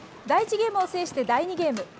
第１ゲームを制して第２ゲーム。